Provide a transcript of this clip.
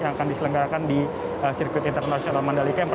yang akan diselenggarakan di sirkuit internasional mandalika